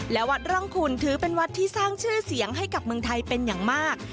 และวัดร่องคุณถือเป็นวัดที่สร้างชื่อเสียงให้กับเมืองไทยเป็นอย่างมาก